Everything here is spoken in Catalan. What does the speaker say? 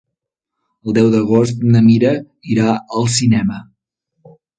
El deu d'agost na Mira irà al cinema.